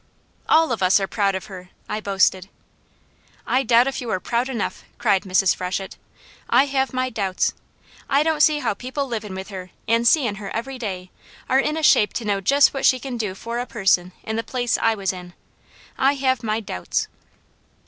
"All of us are proud of her!" I boasted. "I doubt if you are proud enough!" cried Mrs. Freshett. "I have my doubts! I don't see how people livin' with her, an' seein' her every day, are in a shape to know jest what she can do for a person in the place I was in. I have my doubts!"